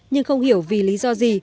nhưng không hiểu vì lý do gì